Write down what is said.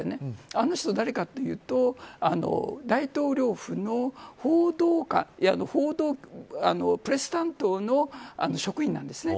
あの人が誰かというと大統領府のプレス担当の職員なんです。